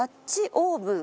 オーブン？